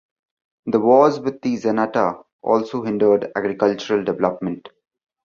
The wars with the Zenata also hindered agricultural development.